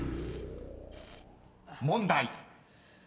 ［問題］